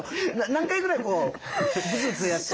何回ぐらいこうブスブスやったら？